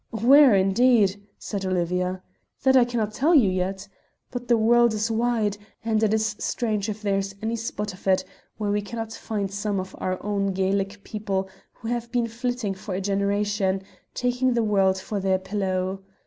"Where? indeed!" said Olivia. "That I cannot tell you yet. But the world is wide, and it is strange if there is any spot of it where we cannot find some of our own Gaelic people who have been flitting for a generation, taking the world for their pillow.